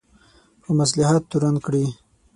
په مصلحت تورن کړي.